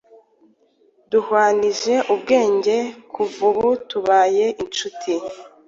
duhwanyije ubwenge, kuva ubu tubaye inshuti,